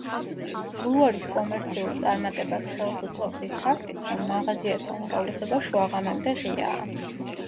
ბულვარის კომერციულ წარმატებას ხელს უწყობს ის ფაქტიც, რომ მაღაზიათა უმრავლესობა შუაღამემდე ღიაა.